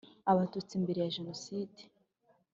Abatutsi mbere ya Jenoside